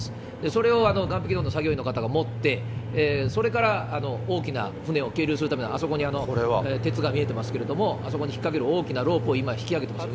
それを岸壁のほうの作業員の方が持って、それから大きな船を係留するための、あそこに鉄が見えてますけれども、あそこに引っ掛ける大きなロープを今引き揚げてます。